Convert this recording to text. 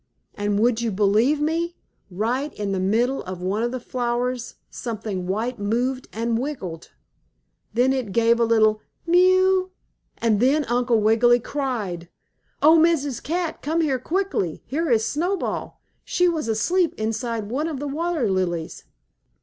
And, would you believe me, right in the middle of one of the flowers something white moved and wiggled. Then it gave a little "Mew!" and then Uncle Wiggily cried: "Oh, Mrs. Cat, come here quickly! Here is Snowball! She was asleep inside of one of the water lilies!"